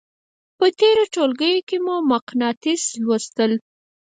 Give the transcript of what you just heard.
په تېرو ټولګیو کې مو مقناطیس ولوستل.